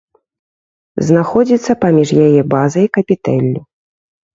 Знаходзіцца паміж яе базай і капітэллю.